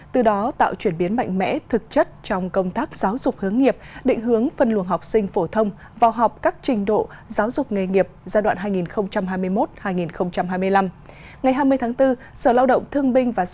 từ đó tạo chuyển biến mạnh mẽ thực chất trong công tác giáo dục hướng nghiệp định hướng phân luồng học sinh phổ thông vào học các trình độ giáo dục nghề nghiệp giai đoạn hai nghìn hai mươi một